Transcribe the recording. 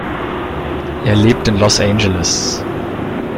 Er lebt in Los Angeles.